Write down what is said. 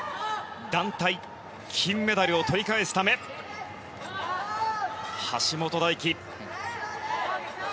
団体、金メダルをとり返すため橋本大輝。